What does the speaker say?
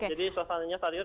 jadi suasananya saat itu